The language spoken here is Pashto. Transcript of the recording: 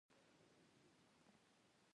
له ده څخه ډېر لرې دي.